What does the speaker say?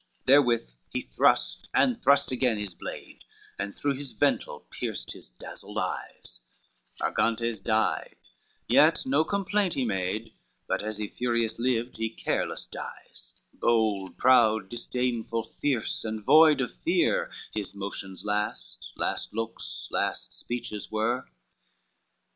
Therewith he thrust and thrust again his blade, And through his ventil pierced his dazzled eyes, Argantes died, yet no complaint he made, But as he furious lived he careless dies; Bold, proud, disdainful, fierce and void of fear His motions last, last looks, last speeches were.